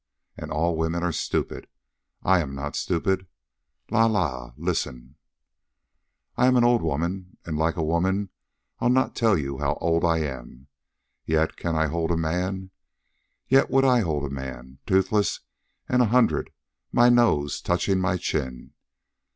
And all women are stupid. I am not stupid. La la, listen. "I am an old woman. And like a woman, I'll not tell you how old I am. Yet can I hold men. Yet would I hold men, toothless and a hundred, my nose touching my chin.